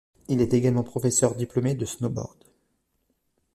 Il est également professeur diplômé de snowboard.